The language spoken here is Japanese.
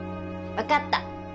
分かった。